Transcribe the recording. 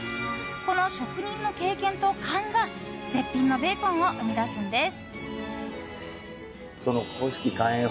この職人の経験と勘が絶品のベーコンを生み出すんです。